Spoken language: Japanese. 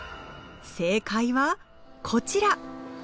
正解はこちら！